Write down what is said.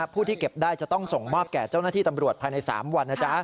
ผู้ที่เก็บได้จะต้องส่งมอบแก่เจ้าหน้าที่ตำรวจภายใน๓วันนะจ๊ะ